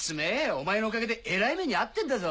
お前のおかげでえらい目に遭ってんだぞ！